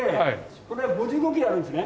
これは５５キロあるんですね。